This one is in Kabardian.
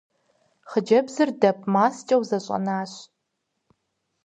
Хъыджэбзри дэп маскӏэу зэщӏэнащ.